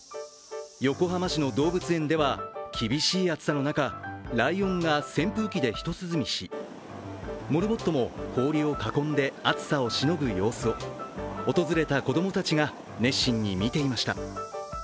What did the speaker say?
横浜市の動物園では厳しい暑さの中、ライオンが扇風機でひと涼みしモルモットも氷を囲んで暑さをしのぐ様子を訪れた子供たちが熱心に見ていました。